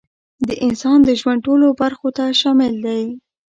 د انسان د ژوند ټولو برخو ته شامل دی،